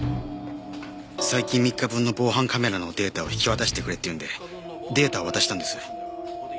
最近３日分の防犯カメラのデータを引き渡してくれって言うんでデータを渡したんです。